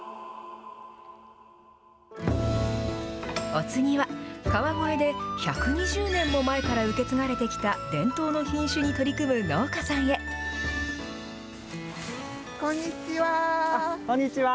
お次は、川越で１２０年も前から受け継がれてきた伝統の品種に取り組む農こんにちは。